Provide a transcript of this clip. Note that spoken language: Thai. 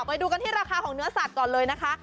ไปดูกันที่ราคาของเนื้อสัตว์ก่อนเลยนะคะ